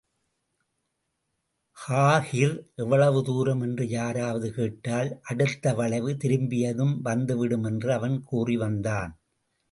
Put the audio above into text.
காஹிர் எவ்வளவு தூரம் என்று யாராவது கேட்டால், அடுத்த வளைவு திரும்பியதும் வந்து விடும் என்று அவன் கூறிவந்தான்.